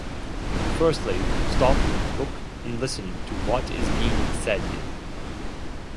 Firstly, stop, look and listen to what is being said.